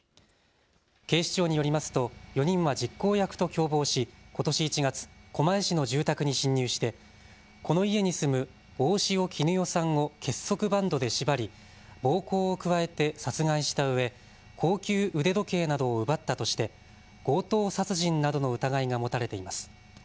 警視庁によりますと４人は実行役と共謀しことし１月、狛江市の住宅に侵入してこの家に住む大塩衣與さんを結束バンドで縛り、暴行を加えて殺害したうえ、高級腕時計などを奪ったとして強盗殺人などの疑いが持たれています。